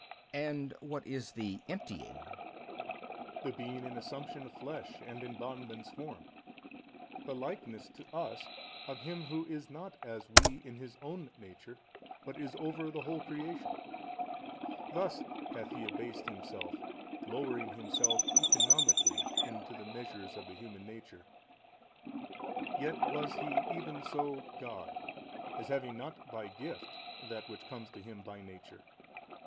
B. And what is the emptying 29? A. The being in assumption of flesh and in bondman's form, the likeness to us of Him Who is not as we in His own Nature but is over the whole creation. Thus hath |273 He abased Himself, lowering Himself economically into the measures of the human nature; yet was He even so God, as having not by gift That which comes to Him by Nature.